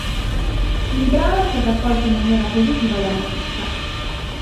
Il brano è stato accolto in maniera positiva dalla critica.